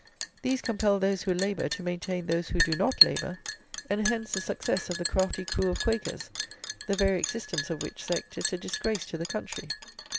These compel those who labour to maintain those who do not labour; and hence the success of the crafty crew of Quakers, the very existence of which sect is a disgrace to the country.